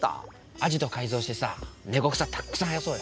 アジト改造してさネコ草たっくさん生やそうよ。